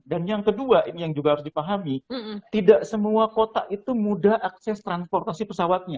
yang kedua ini yang juga harus dipahami tidak semua kota itu mudah akses transportasi pesawatnya